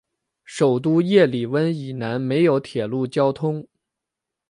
首都叶里温以南没有铁路交通。